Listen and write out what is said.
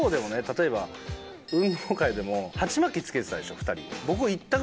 運動会でも鉢巻き着けてたでしょ２人。